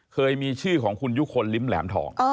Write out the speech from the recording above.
เคยมีชื่อของคุณยุคลลิ้มแหลมทอง